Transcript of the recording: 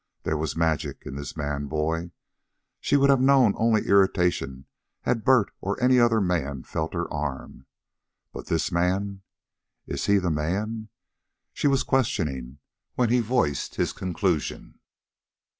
There was magic in this man boy. She would have known only irritation had Bert or any other man felt her arm. But this man! IS HE THE MAN? she was questioning, when he voiced his conclusion.